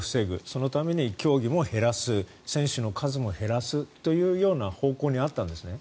そのために競技も減らす選手の数も減らすというような方向にあったんですね。